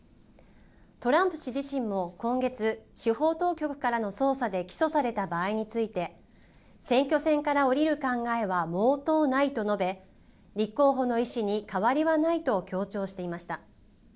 トランプ氏自身も今月、司法当局からの捜査で起訴された場合について選挙戦から降りる考えは毛頭ないと述べ立候補の意思に変わりはないと強調していました。